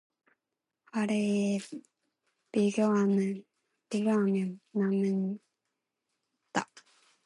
아래에 비교하면 남음이 있다.